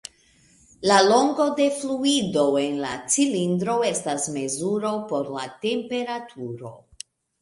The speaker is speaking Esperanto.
La longo de fluido en la cilindro estas mezuro por la temperaturo.